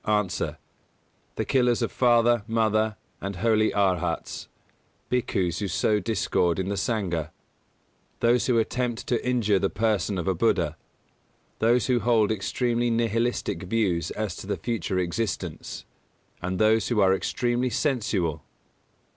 _ A. The killers of father, mother, and holy Arhats; Bhikkhus who sow discord in the Sangha; those who attempt to injure the person of a Buddha; those who hold extremely nihilistic views as to the future existence; and those who are extremely sensual.